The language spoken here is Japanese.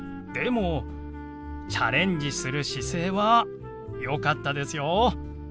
でもチャレンジする姿勢はよかったですよ。